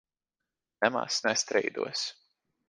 Nemaz nestrīdos.